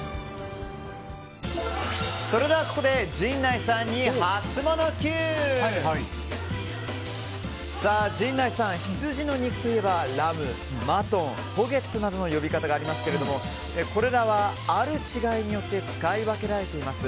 ここで陣内さんにハツモノＱ！陣内さん、羊の肉といえばラム、マトン、ホゲットなどの呼び方がありますけれどもこれらは、ある違いによって使い分けられています。